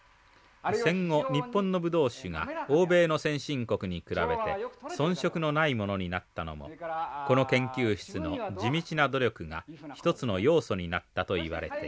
戦後日本のブドウ酒が欧米の先進国に比べて遜色のないものになったのもこの研究室の地道な努力が一つの要素になったといわれています。